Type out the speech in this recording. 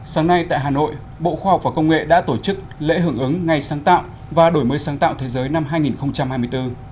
sáng nay tại hà nội bộ khoa học và công nghệ đã tổ chức lễ hưởng ứng ngày sáng tạo và đổi mới sáng tạo thế giới năm hai nghìn hai mươi bốn